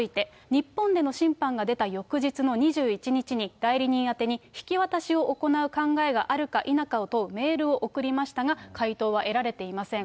日本での審判が出た翌日の２１日に代理人宛てに引き渡しを行う考えがあるかいなかを問うメールを送りましたが、回答は得られていません。